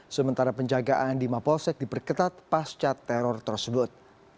sementara penjagaan di mapolsek diperketat pas cat teror tersebut